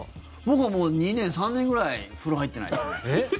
僕はもう２年、３年ぐらい風呂入っていないですね。